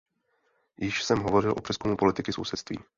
Již jsem hovořil o přezkumu politiky sousedství.